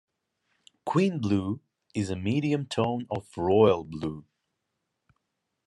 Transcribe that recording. Queen blue is a medium tone of royal blue.